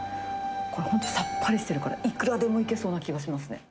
これ、本当さっぱりしてるから、いくらでもいけそうな気がしますね。